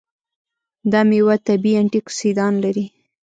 دا میوه طبیعي انټياکسیدان لري.